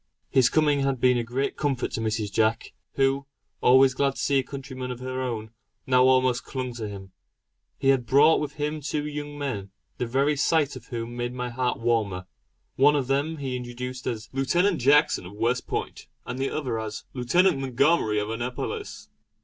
His coming had been a great comfort to Mrs. Jack, who, always glad to see a countryman of her own, now almost clung to him. He had brought with him two young men, the very sight of whom made my heart warmer. One of them he introduced as "Lootenant Jackson of West Point" and the other as "Lootenant Montgomery of Annapolis."